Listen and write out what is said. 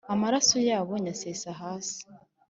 amaraso yabo nyasesa hasi.